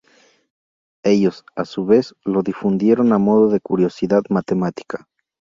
Ellos, a su vez, lo difundieron a modo de curiosidad matemática.